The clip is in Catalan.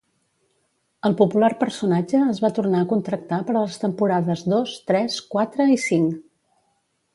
El popular personatge es va tornar a contractar per a les temporades dos, tres, quatre i cinc.